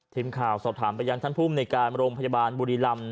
ทีมข่าวสอบถามไปยังท่านภูมิในการโรงพยาบาลบุรีรำ